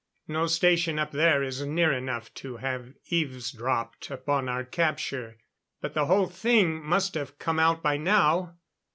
No station up there is near enough to have eavesdropped upon our capture, but the whole thing must have come out by now.